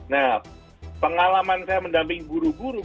nah pengalaman saya mendampingi guru guru